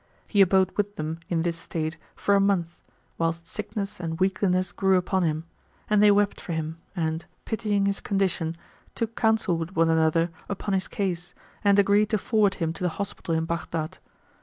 He abode with them in this state for a month, whilst sickness and weakliness grew upon him; and they wept for him and, pitying his condition, took counsel with one another upon his case and agreed to forward him to the hospital in Baghdad.